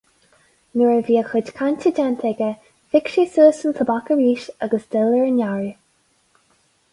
Nuair a bhí a chuid cainte déanta aige, phioc sé suas an tobac arís agus d'fhill ar an ngearradh.